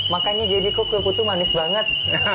makanya jadi kok kue putu manis banget